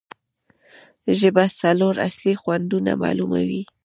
ژبه څلور اصلي خوندونه معلوموي.